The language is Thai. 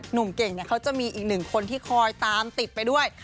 หนุ่มเก่งเขาจะมีอีกหนึ่งคนที่คอยตามติดไปด้วย